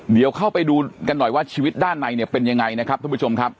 เดี๋ยวเข้าไปดูกันหน่อยว่าชีวิตด้านในเนี่ยเป็นยังไงนะครับท่านผู้ชมครับ